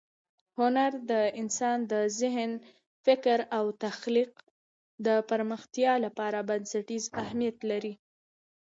هنر د انسان د ذهن، فکر او تخلیق د پراختیا لپاره بنسټیز اهمیت لري.